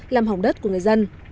làm hỏng đất của người dân